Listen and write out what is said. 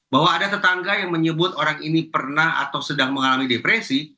bahwa ada tetangga yang menyebut orang ini pernah atau sedang mengalami depresi